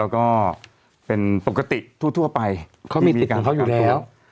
ก็เป็นปกติทั่วไปเขามีติดของเขาอยู่แล้ว